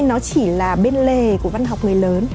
nó chỉ là bên lề của văn học người lớn